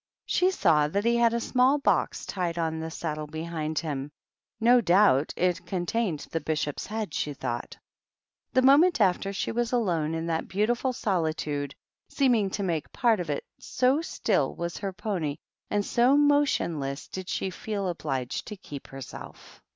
She saw that he had a small box tied on the saddle behind him ; no doubt it contained the Bishop's head, she thought. The moment after, she was alone in that 1 298 THE PAOEAKT. tifbl solitade, seeming to make part of it^ so stOl was her pony and so motionless did she feel obliged to keep herself.